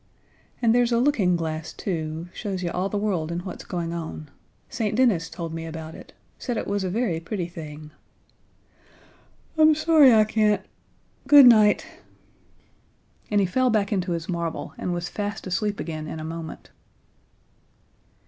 "And there's a looking glass, too; shows you all the world and what's going on. St. Denis told me about it; said it was a very pretty thing. I'm sorry I can't good night." And he fell back into his marble and was fast asleep again in a moment.